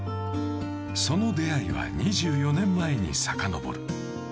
その出会いは２４年前にさかのぼる。